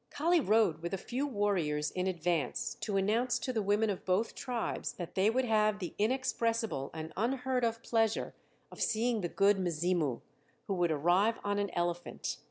Kali rode with a few warriors in advance to announce to the women of both tribes that they would have the inexpressible and unheard of pleasure of seeing the "Good Mzimu," who would arrive on an elephant.